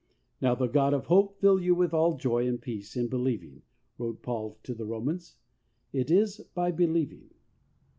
"Now the God of hope fill you with all joy and peace in believing," wrote Paul to the Romans, It is by believing.